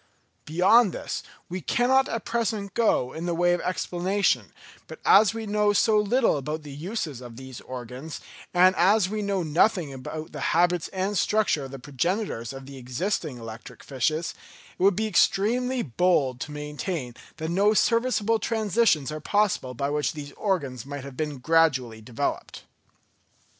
Beyond this we cannot at present go in the way of explanation; but as we know so little about the uses of these organs, and as we know nothing about the habits and structure of the progenitors of the existing electric fishes, it would be extremely bold to maintain that no serviceable transitions are possible by which these organs might have been gradually developed.